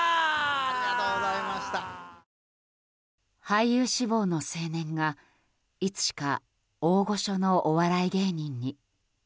俳優志望の青年がいつしか大御所のお笑い芸人に。